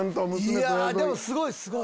でもすごいすごい！